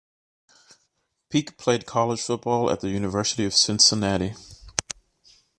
Peek played college football at the University of Cincinnati.